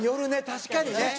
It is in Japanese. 確かにね。